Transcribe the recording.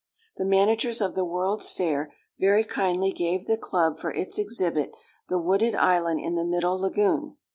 The managers of the World's Fair very kindly gave the Club for its exhibit the wooded island in the middle lagoon.